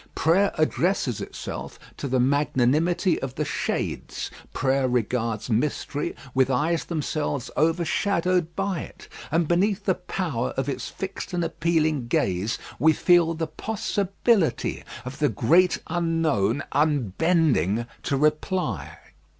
Prayer addresses itself to the magnanimity of the Shades; prayer regards mystery with eyes themselves overshadowed by it, and beneath the power of its fixed and appealing gaze, we feel the possibility of the great Unknown unbending to reply.